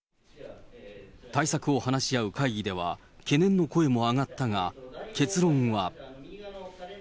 対策を話し合う会議では、懸念の声も上がったが、結論は。